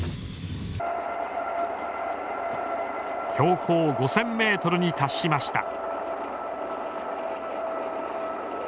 標高５，０００ｍに達しました。